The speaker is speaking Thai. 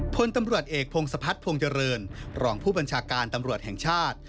พลตำรวจเอกพงศพัฒนภงเจริญรองผู้บัญชาการตำรวจแห่งชาติ